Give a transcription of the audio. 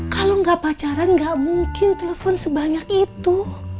kalau nggak pacaran nggak mungkin telepon sebanyak itu